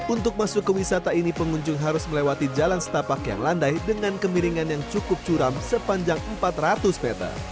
untuk masuk ke wisata ini pengunjung harus melewati jalan setapak yang landai dengan kemiringan yang cukup curam sepanjang empat ratus meter